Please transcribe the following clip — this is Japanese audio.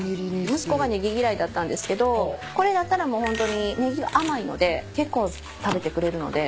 息子がネギ嫌いだったんですけどこれだったらもうホントにネギが甘いので結構食べてくれるので。